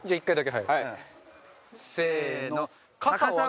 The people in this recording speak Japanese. はい。